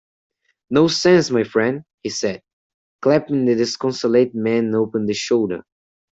"Nonsense, my friend," he said, clapping the disconsolate man upon the shoulder.